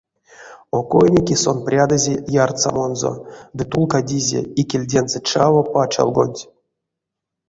Окойники сон прядызе ярсамонзо ды тулкадизе икельдензэ чаво пачалгонть.